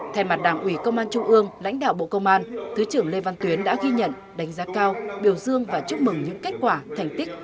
thay mặt đảng ủy công an trung ương lãnh đạo bộ công an thứ trưởng lê văn tuyến đã ghi nhận đánh giá cao biểu dương và chúc mừng những kết quả thành tích